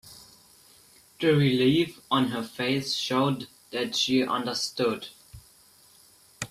The relief on her face showed that she understood.